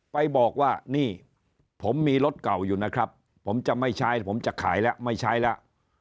ไปบอกว่านี่ผมมีรถเก่าอยู่นะครับผมจะไม่ใช้ผมจะขายแล้วไม่ใช้แล้ว